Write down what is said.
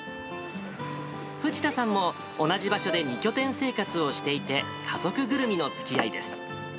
藤田さんも、同じ場所で２拠点生活をしていて、家族ぐるみのつきあいです。